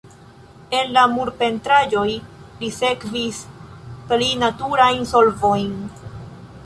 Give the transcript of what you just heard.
En la murpentraĵoj, li sekvis pli naturajn solvojn.